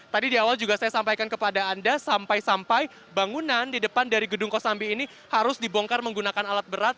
tadi di awal juga saya sampaikan kepada anda sampai sampai bangunan di depan dari gedung kosambi ini harus dibongkar menggunakan alat berat